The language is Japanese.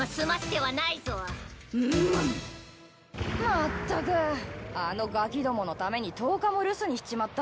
まったくあのガキどものために１０日も留守にしちまったぜ。